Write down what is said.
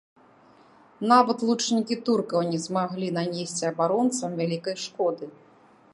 Нават лучнікі туркаў не змаглі нанесці абаронцам вялікай шкоды.